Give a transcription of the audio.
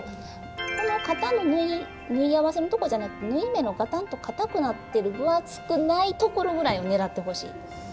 この肩の縫い合わせのとこじゃなくて縫い目のガタンとかたくなってる分厚くないところぐらいを狙ってほしい。